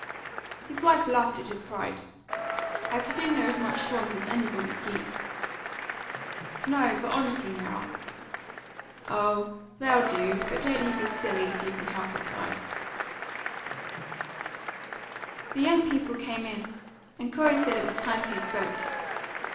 His wife laughed at his pride. "I presume they're as much swans as anybody's geese." "No; but honestly, now!" "Oh, they'll do; but don't you be silly, if you can help it, Si." The young people came in, and Corey said it was time for his boat.